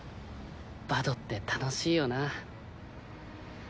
バドって楽しいよな。